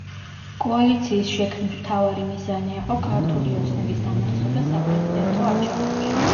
კოალიციის შექმნის მთავარი მიზანი იყო „ქართული ოცნების“ დამარცხება საპრეზიდენტო არჩევნებში.